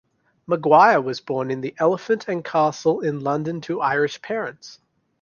Maguire was born in the Elephant and Castle in London to Irish parents.